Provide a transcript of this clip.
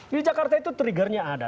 di jakarta itu triggernya ada